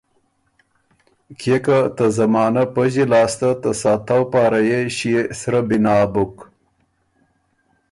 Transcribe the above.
کيې که ته زمانه پݫی لاسته ته ساتؤ پاره يې ݭيې سرۀ بنا بُک۔